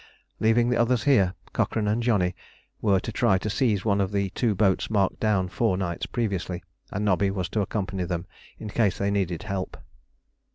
Leaving the others here, Cochrane and Johnny were to try to seize one of the two boats marked down four nights previously, and Nobby was to accompany them in case they needed help.